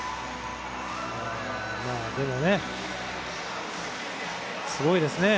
でもね、すごいですね。